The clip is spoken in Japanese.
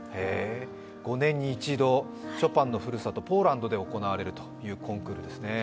５年に一度ショパンのふるさと、ポーランドで行われるというコンクールですね。